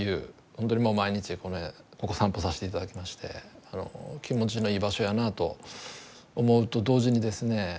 本当にもう毎日ここ散歩させて頂きまして気持ちのいい場所やなと思うと同時にですね